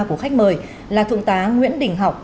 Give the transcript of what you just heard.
của khách mời là thượng tá nguyễn đình học